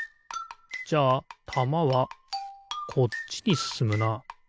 じゃあたまはこっちにすすむな。